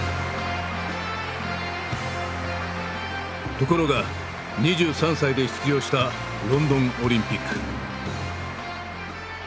ところが２３歳で出場したロンドンオリンピック。